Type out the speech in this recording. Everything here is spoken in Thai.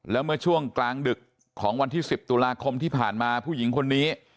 แล้วเมื่อช่วงกลางดึกของวันที่๑๐ตุลาคมที่ผ่านมาผู้หญิงคนนี้